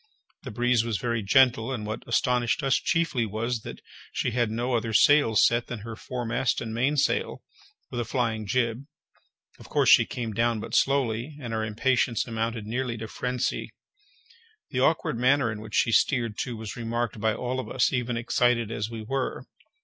The breeze was very gentle, and what astonished us chiefly was, that she had no other sails set than her foremast and mainsail, with a flying jib—of course she came down but slowly, and our impatience amounted nearly to phrensy. The awkward manner in which she steered, too, was remarked by all of us, even excited as we were.